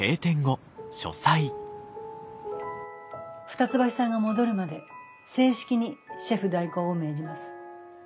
二ツ橋さんが戻るまで正式にシェフ代行を命じます。